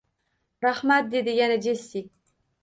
Rahmat, dedi yana Jessi